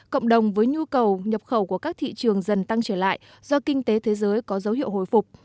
cộng đồng với nhu cầu nhập khẩu của các thị trường dần tăng trở lại do kinh tế thế giới có dấu hiệu hồi phục